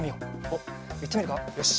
おっいってみるかよし。